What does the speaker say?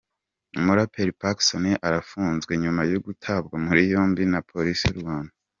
Umuraperi Pacson arafunzwe nyuma yo gutabwa muri yombi na Polisi y'u Rwanda.